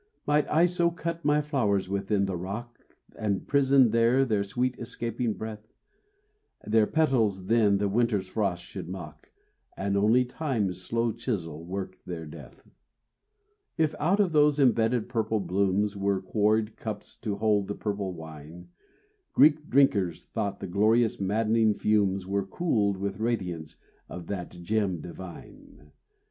Might I so cut my flowers within the rock, And prison there their sweet escaping breath; Their petals then the winter's frost should mock, And only Time's slow chisel work their death. If out of those embedded purple blooms Were quarried cups to hold the purple wine, Greek drinkers thought the glorious, maddening fumes Were cooled with radiance of that gem divine.